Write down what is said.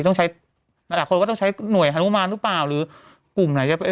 ต้องใช้หลายคนก็ต้องใช้หน่วยฮานุมานหรือเปล่าหรือกลุ่มไหนจะไป